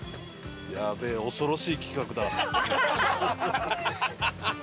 やべえ恐ろしい企画だ！